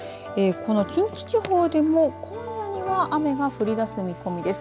この近畿地方でも今夜には雨が降り出す見込みです。